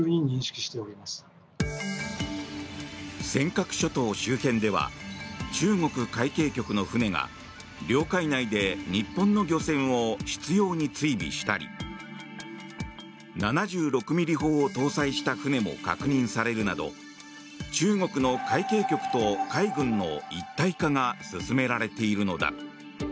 尖閣諸島周辺では中国海警局の船が領海内で日本の漁船を執ように追尾したり７６ミリ砲を搭載した船も確認されるなど中国の海警局と海軍の一体化が進められているのだ。